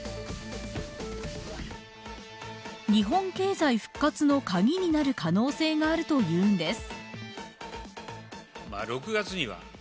日本経済復活のカギになる可能性があるというんです。